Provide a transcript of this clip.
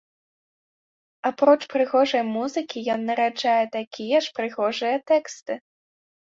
Апроч прыгожай музыкі, ён нараджае такія ж прыгожыя тэксты.